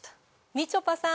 みちょぱさん